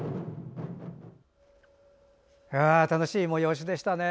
楽しい催しでしたね。